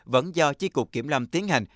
vẫn do chí cục kiểm lâm tiến hành